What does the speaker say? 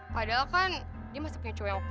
padahal kan dia masih punya cowok yang bagus